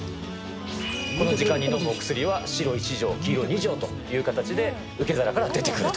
この時間にのむお薬は、白１錠、黄色２錠という形で、受け皿から出てくると。